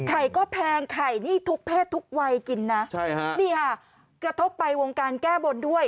ไข่ก็แพงไข่นี่ทุกเพศทุกวัยกินนะใช่ฮะนี่ค่ะกระทบไปวงการแก้บนด้วย